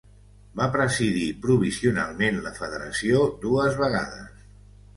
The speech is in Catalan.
Va presidir provisionalment la federació dues vegades.